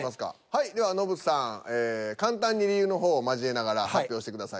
はいではノブさん簡単に理由の方を交えながら発表してください。